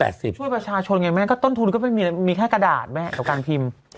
ช่วยประชาชนไงแม่ก็ต้นทุนก็ไม่มีมีแค่กระดาษแม่กับการพิมพ์